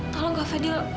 tolong kak fadil